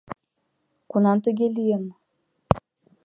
Кунам тыге лийын?